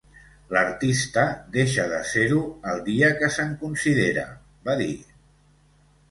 L'artista deixa de ser-ho el dia que se'n considera, va dir.